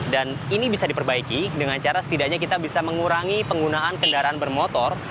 dan ini bisa diperbaiki dengan cara setidaknya kita bisa mengurangi penggunaan kendaraan bermotor